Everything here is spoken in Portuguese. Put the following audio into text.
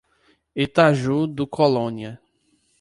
Itaju do Colônia